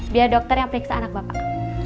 biar dokter yang periksa anak bapak